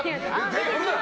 手振るな！